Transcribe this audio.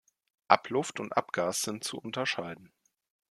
Abluft und Abgas sind zu unterscheiden.